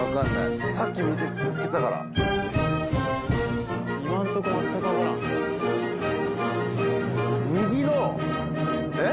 さっき見つけたから今んとこ全くわからんえっ？